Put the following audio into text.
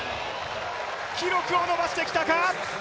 記録を伸ばしてきたか。